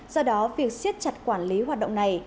do đó việc siết chặt quản lý hoạt động này